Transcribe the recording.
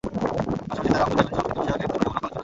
পাশাপাশি তাঁরা অংশ নেবেন সংস্কৃতিবিষয়ক এক তুলনামূলক আলোচনায়।